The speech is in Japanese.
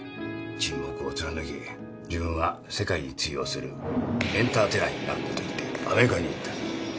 沈黙を貫き自分は世界に通用するエンターテイナーになるんだと言ってアメリカに行った。